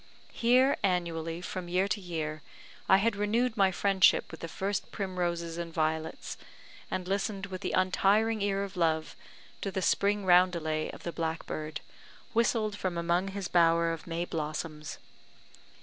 Here annually, from year to year, I had renewed my friendship with the first primroses and violets, and listened with the untiring ear of love to the spring roundelay of the blackbird, whistled from among his bower of May blossoms.